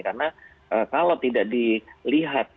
karena kalau tidak dilihat